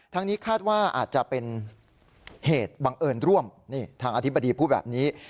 ทางนี้คาดว่าอาจจะเป็นเหตุบังเอิญร่วมนี่ทางอธิบดีพูดแบบนี้